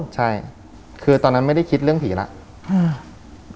ใช่คือตอนนั้นไม่ได้คิดเรื่องผีแล้ว